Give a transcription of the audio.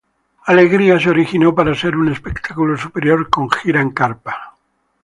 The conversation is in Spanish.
Alegría se originó para ser un espectáculo superior con gira en carpa.